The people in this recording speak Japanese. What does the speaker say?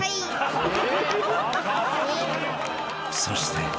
［そして］